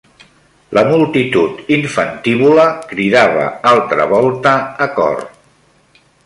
La multitud infantívola cridava altra volta a cor